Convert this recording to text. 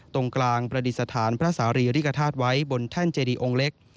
ตรงกลางประดิษฐานพระสารีริกฐาตุไว้บนแท่นเจดีองค์เล็ก